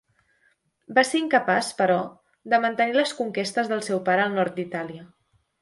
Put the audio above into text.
Va ser incapaç, però de mantenir les conquestes del seu pare al nord d'Itàlia.